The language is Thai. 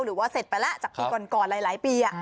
หรือว่าเสร็จไปแล้วจากปีก่อนหลายปี